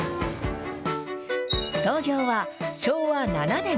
創業は昭和７年。